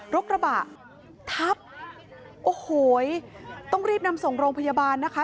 รถกระบะทับโอ้โหต้องรีบนำส่งโรงพยาบาลนะคะ